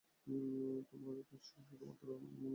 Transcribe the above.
তোমার কাজ শুধু দূর থেকে মেয়েটিকে চিনিয়ে দেয়া।